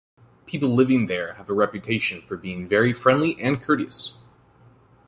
People living there have a reputation for being very friendly and courteous.